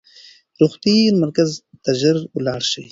روغتیايي مرکز ته ژر لاړ شئ.